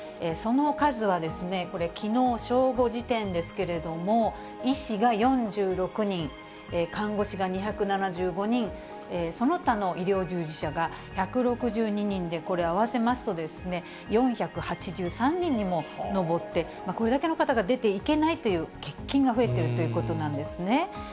その数はこれ、きのう正午時点ですけれども、医師が４６人、看護師が２７５人、その他の医療従事者が１６２人で、これ、合わせますと４８３人にも上って、これだけの方が出ていけないという、欠勤が増えているということなんですね。